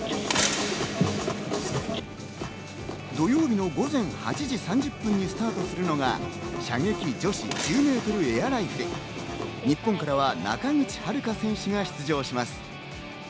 土曜日の午前８時３０分にスタートするのが射撃女子１０ｍエアライフル、日本からは中口遥選手が出場します。